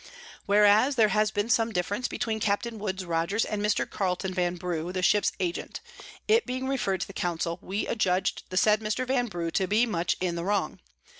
Whereas there has been some Difference between Capt. Woodes Rogers and Mr. Carleton Vanbrugh the Ship's Agent; it being refer'd to the Council, we adjudg'd the said Mr. Vanbrugh _to be much in the wrong.